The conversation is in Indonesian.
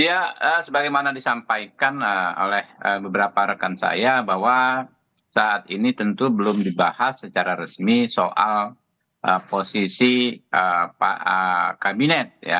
ya sebagaimana disampaikan oleh beberapa rekan saya bahwa saat ini tentu belum dibahas secara resmi soal posisi kabinet